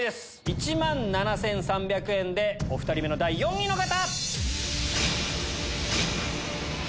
１万７３００円でお２人目の第４位の方！